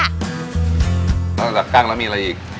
นอกจากกั้งแล้วมีอะไรอีก